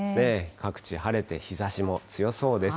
各地、晴れて日ざしも強そうです。